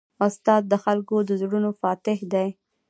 استاد د خلکو د زړونو فاتح دی.